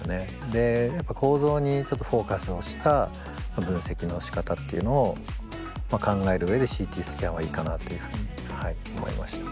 で構造にちょっとフォーカスをした分析のしかたっていうのを考える上でＣＴスキャンはいいかなというふうにはい思いました。